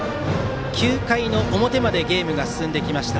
９回表までゲームが進んできました。